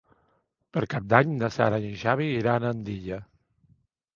Per Cap d'Any na Sara i en Xavi iran a Andilla.